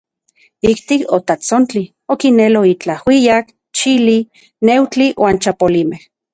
Ijtik otatsontli, okinelo itlaj ajuijyak, chili, neujtli uan chapolimej.